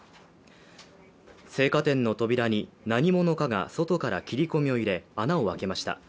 青果店の扉に何者かが外から切り込みを入れ穴を開けました。